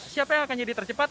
siapa yang akan jadi tercepat